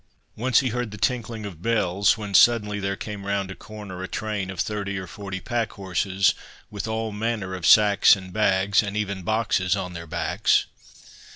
Once he heard the tinkling of bells, when suddenly there came round a corner a train of thirty or forty pack horses, with all manner of sacks and bags, and even boxes on their backs.